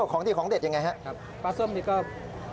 ของดีของเด็ดอย่างไรครับ